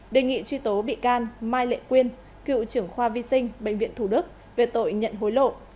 đề nghị truy tố bị can mai lệ quyên cựu trưởng khoa vi sinh bệnh viện thủ đức về tội nhận hối lộ